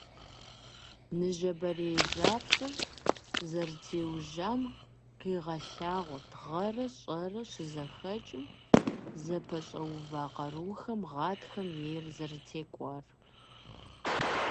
Ныжэбэрей жьапщэр зэрытеужам къигъэлъагъуэрт гъэрэ щӀырэ щызэхэкӀым зэпэщӀэува къарухэм гъатхэм ейр зэрытекӀуар.